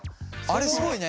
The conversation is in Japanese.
あれすごいね。